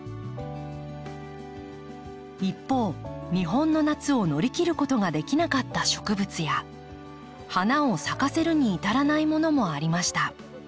一方日本の夏を乗り切ることができなかった植物や花を咲かせるに至らないものもありました。